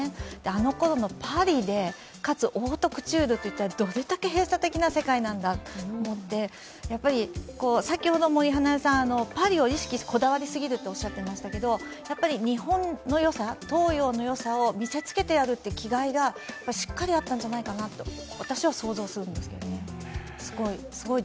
あのころのパリで、かつオートクチュールというのはどれだけ閉鎖的な世界なんだと思って先ほど森英恵さん、パリにこだわりすぎるとおっしゃってましたけど、日本の良さ、東洋の良さを見せつけてやるっていう気概がしっかりあったんじゃないかなと私は想像するんですけどね。